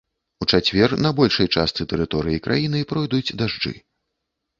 У чацвер на большай частцы тэрыторыі краіны пройдуць дажджы.